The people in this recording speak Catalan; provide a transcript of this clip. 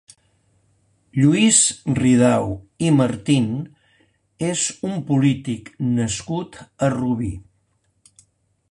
Lluís Ridao i Martín és un polític nascut a Rubí.